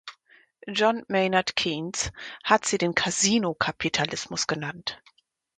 John Maynard Keynes hat sie den Kasinokapitalismus genannt.